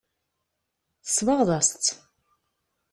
Tsebɣeḍ-as-tt.